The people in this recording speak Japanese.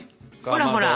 ほらほら。